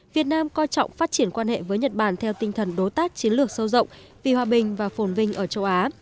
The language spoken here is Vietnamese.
việt nam coi trọng phát triển quan hệ với nhật bản theo tinh thần đối tác chiến lược sâu rộng vì hòa bình và phồn vinh ở châu á